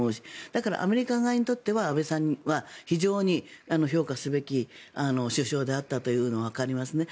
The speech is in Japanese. だからアメリカ側にとっては安倍さんは非常に評価すべき首相であったというのはわかりますね。